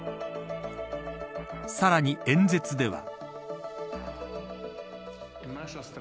さらに、演説では。